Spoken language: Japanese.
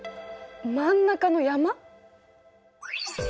真ん中の山？